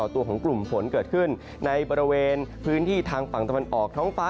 ตัวของกลุ่มฝนเกิดขึ้นในบริเวณพื้นที่ทางฝั่งตะวันออกท้องฟ้า